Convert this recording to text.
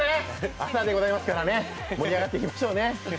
朝でございますからね盛り上がっていきましょうね。